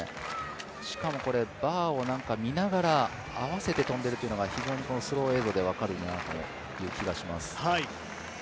しかもこれ、バーを見ながら合わせて跳んでいるというのがスロー映像で分かる気がします。